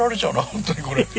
本当にこれ。